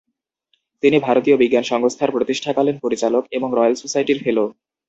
তিনি ভারতীয় বিজ্ঞান সংস্থার প্রতিষ্ঠাকালীন পরিচালক এবং রয়েল সোসাইটির ফেলো।